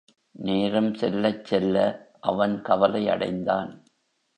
நேரம் செல்லச் செல்ல அவன் கவலை அடைந்தான்.